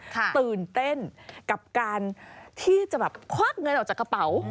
ตื่นเต้นกับการที่จะแบบควักเงินออกจากกระเป๋า